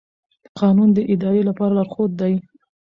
قانون د ادارې لپاره لارښود دی.